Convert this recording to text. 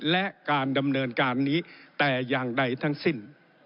และการดำเนินการนี้แต่อย่างใดทั้งสิ้น